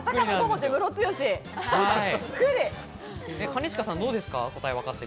兼近さん、どうですか？